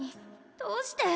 どうして！